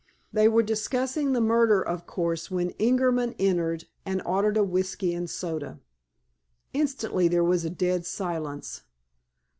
They were discussing the murder, of course, when Ingerman entered, and ordered a whiskey and soda. Instantly there was dead silence.